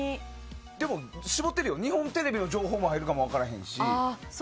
絞ってるよ、日本テレビの情報も入るかも分からへんし。